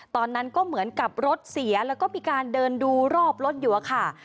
ตอนนั้นก็เหมือนกับรถเสียแล้วก็มีการเดินดูรอบรถอยู่อะค่ะ